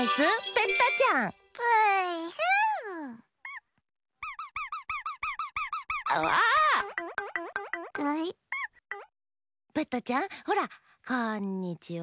ペッタちゃんほらこんにちはダァー！